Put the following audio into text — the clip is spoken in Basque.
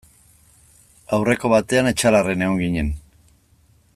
Aurreko batean Etxalarren egon ginen.